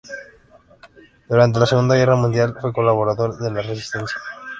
Durante la Segunda Guerra Mundial, fue colaborador de la Resistencia.